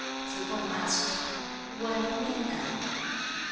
Tsz kung asked, "What of me, then?"